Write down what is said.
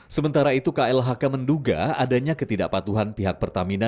sementara itu klhk menduga adanya ketidakpatuhan pihak pertamina